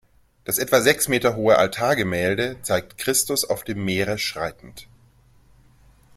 Das etwa sechs Meter hohe Altargemälde zeigt Christus auf dem Meere schreitend.